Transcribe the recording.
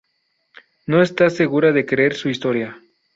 No está segura de creer su historia.